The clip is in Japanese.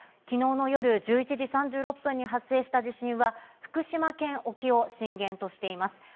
昨日の夜１１時３６分に発生した地震は、福島県沖を震源としています。